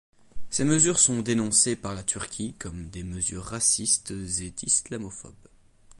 Ces mesures sont dénoncées par la Turquie comme des mesures racistes et islamophobes.